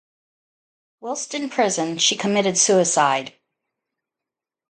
Whilst in prison, she committed suicide.